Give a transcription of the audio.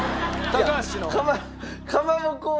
高橋。